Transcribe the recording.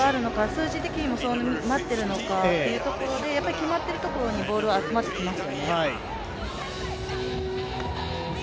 数字的にも、そうなっているのかというところで、決まっているところでボールは集まってきますよね。